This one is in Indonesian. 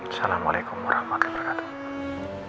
assalamualaikum warahmatullahi wabarakatuh